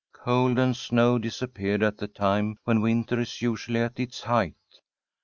Cold and snow dis appeared at the time when winter is usually at its height.